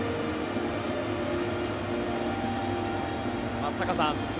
松坂さん２